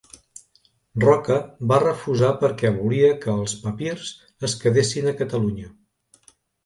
Roca va refusar perquè volia que els papirs es quedessin a Catalunya.